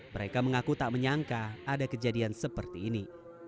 mereka mengaku tak menyangka ada kejadian seperti ini